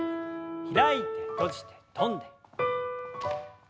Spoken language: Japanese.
開いて閉じて跳んで。